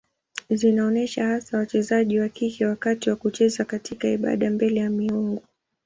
Zinaonyesha hasa wachezaji wa kike wakati wa kucheza katika ibada mbele ya miungu.